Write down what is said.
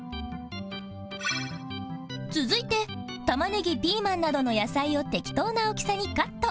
続いて玉ねぎピーマンなどの野菜を適当な大きさにカット